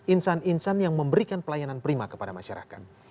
insan insan yang memberikan pelayanan prima kepada masyarakat